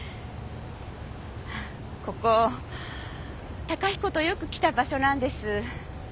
ここ崇彦とよく来た場所なんです。